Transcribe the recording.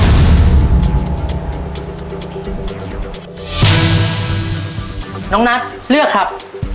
น้องนัทเลือกครับ